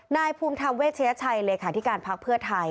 นายภูมิธรรมเวชยชัยเลขาธิการพักเพื่อไทย